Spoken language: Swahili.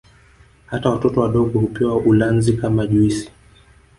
Hata watoto wadogo hupewa ulanzi kama juisi